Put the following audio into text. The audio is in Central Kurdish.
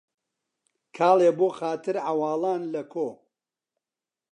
کاڵێ بۆ خاتر عەواڵان لە کۆ